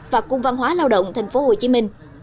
và cung văn hóa lao động tp hcm